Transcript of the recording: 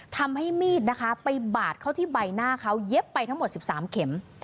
ทำให้มีดนะคะไปบาดเข้าที่ใบหน้าเขาเย็บไปทั้งหมด๑๓เข็ม